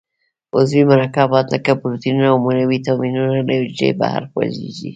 عضوي مرکبات لکه پروټینونه او وېټامینونه له حجرې بهر جوړیږي.